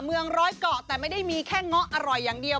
เมืองร้อยเกาะแต่ไม่ได้มีแค่เงาะอร่อยอย่างเดียว